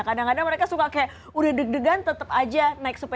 kadang kadang mereka suka kayak udah deg degan tetap aja naik sepeda